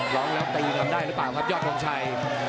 ร้องแล้วตีทำได้หรือเปล่าครับยอดทงชัย